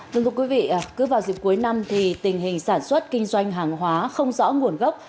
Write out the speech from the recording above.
vâng thưa quý vị cứ vào dịp cuối năm thì tình hình sản xuất kinh doanh hàng hóa không rõ nguồn gốc